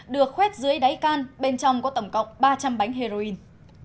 được khoét dưới đáy can bên trong có tổng cộng ba trăm linh bánh heroin